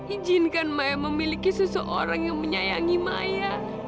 ijinkan maya memiliki seseorang yang menyayangi maya